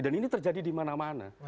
dan ini terjadi dimana mana